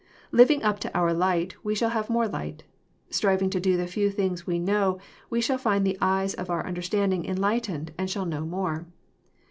Living up to our light we shall have more light. Striving to do the few things we know«_we shall find the eyes of our under standing enlightened, and shall know more.